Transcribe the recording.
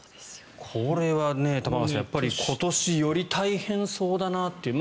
これは玉川さん、やっぱり今年より大変そうだなっていう。